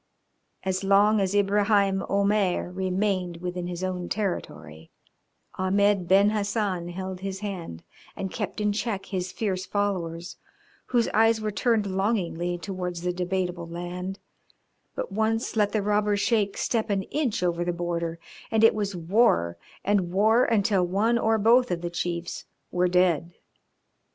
As long as Ibraheim Omair remained within his own territory Ahmed Ben Hassan held his hand and kept in check his fierce followers, whose eyes were turned longingly towards the debatable land, but once let the robber Sheik step an inch over the border, and it was war, and war until one or both of the chiefs were dead.